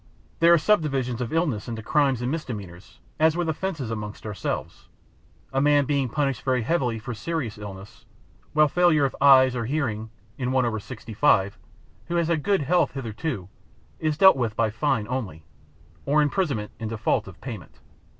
There are subdivisions of illnesses into crimes and misdemeanours as with offences amongst ourselves—a man being punished very heavily for serious illness, while failure of eyes or hearing in one over sixty five, who has had good health hitherto, is dealt with by fine only, or imprisonment in default of payment.